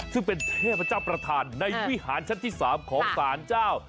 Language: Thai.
ซึ่งเป็นเทพเจ้าประธานในวิหารชั้นที่๓ของศาลเจ้า